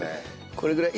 これぐらい？